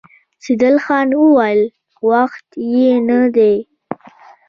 سيدال خان وويل: وخت يې نه دی؟